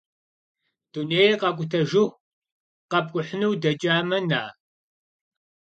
Дунейр къутэжыху къэпкӀухьыну удэкӀамэ, на!